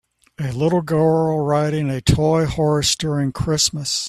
A little girl riding a toy horse during Christmas